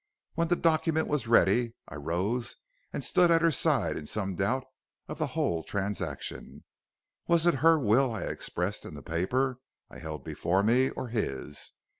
When the document was ready I rose and stood at her side in some doubt of the whole transaction. Was it her will I had expressed in the paper I held before me, or his?